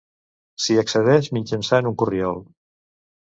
S'hi accedeix mitjançant un corriol.